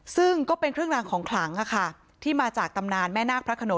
ซึ่งก็เป็นเครื่องรางของขลังที่มาจากตำนานแม่นาคพระขนง